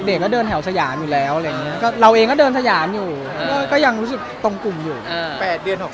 เด็กก็เดินแหล่วชรานอยู่แล้วอะไรอย่างเงี้ย